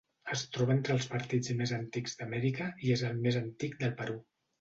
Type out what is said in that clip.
Es troba entre els partits més antics d'Amèrica i és el més antic del Perú.